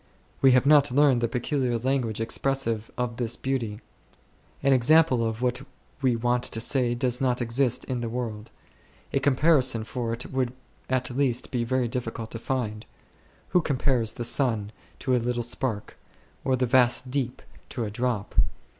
We have not learnt the peculiar language expressive of this beauty. An example of what we want to say does not exist in the world ; a comparison for it would at least be very difficult to find. Who compares the Sun to a little spark ? or the vast Deep to a drop